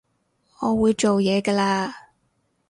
我會做嘢㗎喇